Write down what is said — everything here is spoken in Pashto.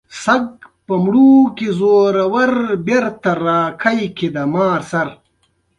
زما د نوملړ لومړنی شی وي.